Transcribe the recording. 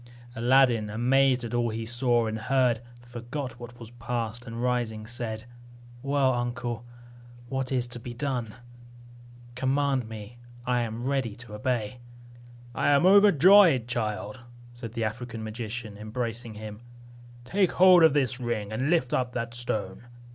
Aladdin, amazed at all he saw and heard, forgot what was past, and rising said, "Well, uncle, what is to be done? Command me, I am ready to obey." "I am overjoyed, child," said the African magician, embracing him, "Take hold of the ring, and lift up that stone."